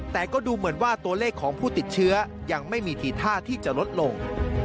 แต่ก็ดูเหมือนว่าตัวเลขของผู้ติดเชื้อยังไม่มีทีท่าที่จะลดลง